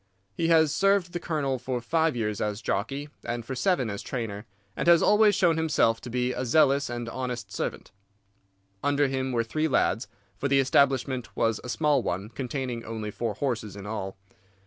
He has served the Colonel for five years as jockey and for seven as trainer, and has always shown himself to be a zealous and honest servant. Under him were three lads; for the establishment was a small one, containing only four horses in all.